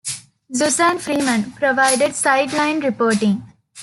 Suzanne Freeman provided sideline reporting.